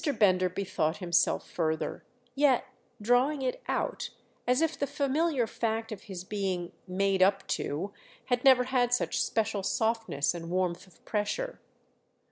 Bender bethought himself further—yet drawing it out; as if the familiar fact of his being "made up to" had never had such special softness and warmth of pressure.